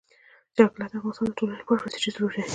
جلګه د افغانستان د ټولنې لپاره بنسټيز رول لري.